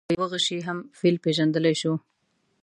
یوازې په یوه غشي هم فیل پېژندلی شو.